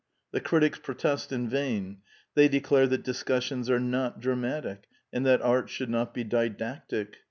The critics protest in vain. They declare that discissions are not dramatic, and that art should not be didactic.